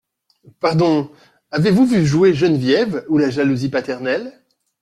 Pardon… avez-vous vu jouer Geneviève ou la jalousie paternelle ?…